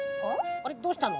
あれどうしたの？